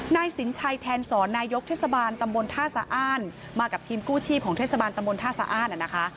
นายสินชัยแทนสอนนายกเทศบาลตำบลท่าสะอ้านมากับทีมกู้ชีพของเทศบาลตำบลท่าสะอ้านนะคะ